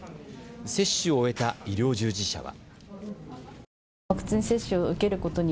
接種を終えた医療従事者は。